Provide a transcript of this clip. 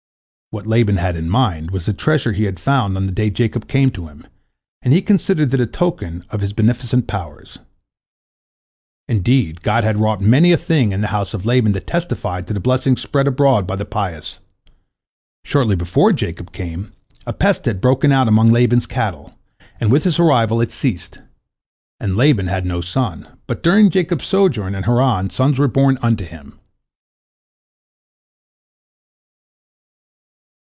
What Laban had in mind was the treasure he had found on the day Jacob came to him, and he considered that a token of his beneficent powers. Indeed, God had wrought many a thing in the house of Laban that testified to the blessings spread abroad by the pious. Shortly before Jacob came, a pest had broken out among Laban's cattle, and with his arrival it ceased. And Laban had had no son, but during Jacob's sojourn in Haran sons were born unto him.